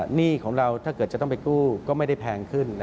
หนี้ของเราถ้าเกิดจะต้องไปกู้ก็ไม่ได้แพงขึ้น